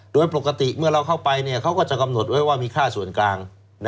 โดยปกติเมื่อเราเข้าไปเขาก็จะกำหนดไว้ว่ามีค่าส่วนกลาง